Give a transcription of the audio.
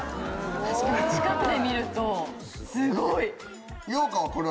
確かに近くで見るとすごい。